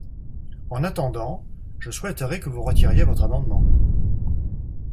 En attendant, je souhaiterais que vous retiriez votre amendement.